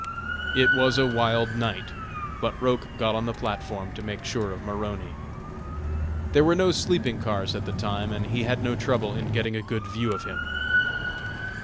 It was a wild night, but Roch got on the platform to make sure of Maroney. There were no sleeping cars at the time and he had no trouble in getting a good view of him.